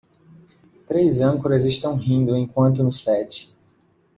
Três âncoras estão rindo enquanto no set.